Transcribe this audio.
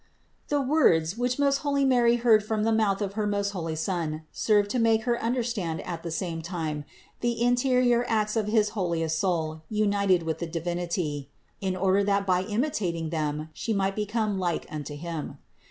481. The words, which most holy Mary heard from the mouth of her most holy Son, served to make Her understand at the same time the interior acts of his holiest soul united with the Divinity; in order that by imitating them She might become like unto Him.